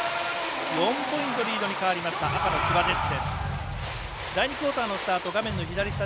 ４ポイントリードになった赤の千葉ジェッツ。